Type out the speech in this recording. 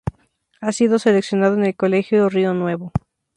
Ha sido seleccionado en el colegio rio nuevo.